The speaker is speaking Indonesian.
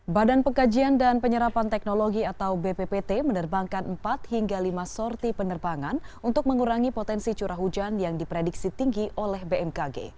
badan pengkajian dan penyerapan teknologi atau bppt menerbangkan empat hingga lima sorti penerbangan untuk mengurangi potensi curah hujan yang diprediksi tinggi oleh bmkg